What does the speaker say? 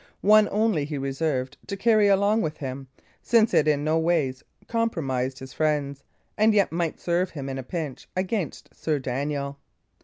One only he reserved to carry along with him, since it in nowise compromised his friends, and yet might serve him, in a pinch, against Sir Daniel.